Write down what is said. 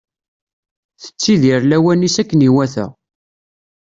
Tettidir lawan-is akken iwata.